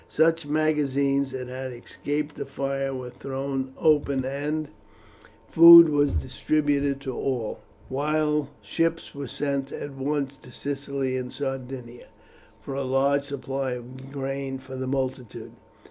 Such magazines as had escaped the fire were thrown open, and food distributed to all, while ships were sent at once to Sicily and Sardinia for large supplies of grain for the multitude.